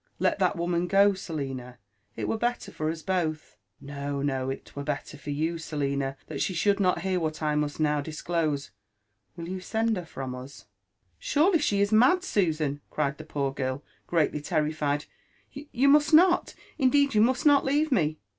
Let that woman go, Selina p it were better for u6 both — no, no, it were better for you, Selina, that she should not hear what I must now disclose : will you send her from us ?"Surely she is mad, Susan," cried the poor girl, greatly terrified ;you must not — indeed you must not leave me."